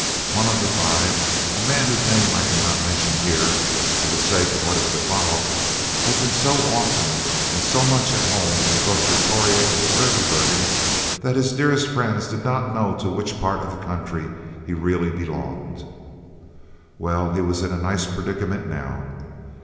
One of the five, a man whose name I cannot mention here, for the sake of what is to follow, had been so often, and was so much at home both in Pretoria and the Skurvebergen, that his dearest friends did not know to which part of the country he really belonged! Well, he was in a nice predicament now!